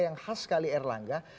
yang khas sekali erlangga